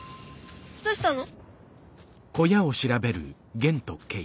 どうしたの？